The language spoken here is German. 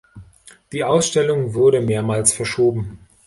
Die Ausstellung wurde mehrmals verschoben.